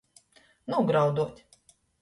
Nūgrauduot.